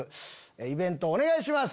イベントお願いします。